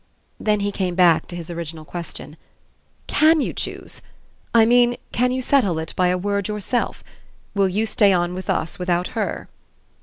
Then he came back to his original question. "CAN you choose? I mean can you settle it by a word yourself? Will you stay on with us without her?"